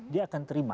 dia akan terima